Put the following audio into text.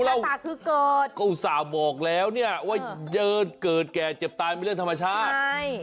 ลักษณะคือเกิดก็อุตส่าห์บอกแล้วเนี่ยว่าเยินเกิดแก่เจ็บตายเป็นเรื่องธรรมชาติใช่